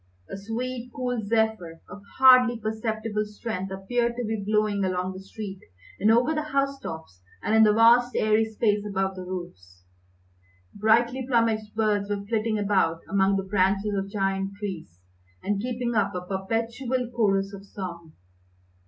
A sweet, cool zephyr of hardly perceptible strength appeared to be blowing along the street and over the house tops and in the vast airy space above the roofs. Brightly plumaged birds were flitting about among the branches of giant trees, and keeping up a perpetual chorus of song.